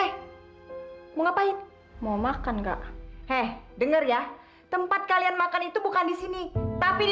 hai mau ngapain mau makan gak eh denger ya tempat kalian makan itu bukan di sini tapi di